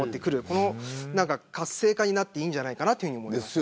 この活性化になっていいんじゃないかなと思います。